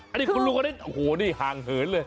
อันนี้คุณลุงก็ได้โหนี่หางเหินเลย